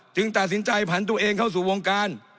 ตัดสินใจผันตัวเองเข้าสู่วงการ